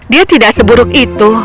dia tidak seburuk itu